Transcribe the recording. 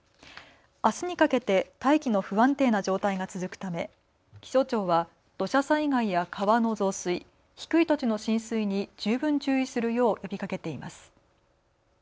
あすにかけて大気の不安定な状態が続くため気象庁は土砂災害や川の増水、低い土地の浸水に十分注意するよう呼びかけています。